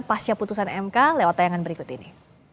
pasca putusan mk lewat tayangan berikut ini